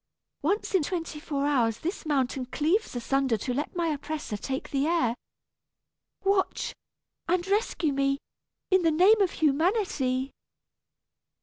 Once in twenty four hours this mountain cleaves asunder to let my oppressor take the air. Watch, and rescue me, in the name of humanity."